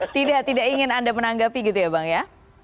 tidak tidak ingin anda menanggapi gitu ya bang ya